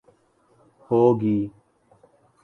ہو گی